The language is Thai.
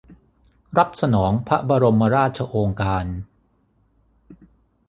รับสนองพระบรมราชโองการ